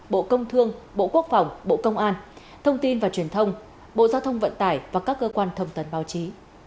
bộ công thương bộ quốc phòng bộ công an thông tin và truyền thông bộ giao thông vận tải và các cơ quan thông tấn báo chí